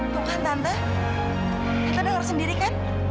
tunggu kan tante tante gak harus sendiri kan